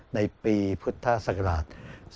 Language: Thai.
ในปีพุทธศักราช๒๕๖